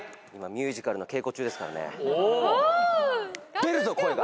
出るぞ声が。